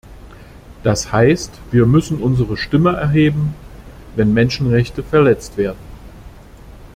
Das heißt, wir müssen unsere Stimme erheben, wenn Menschenrechte verletzt werden.